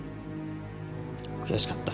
悔しかった。